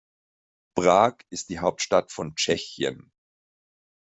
Prag ist die Hauptstadt von Tschechien.